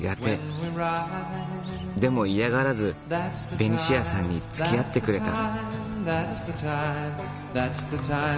でも嫌がらずベニシアさんにつきあってくれた。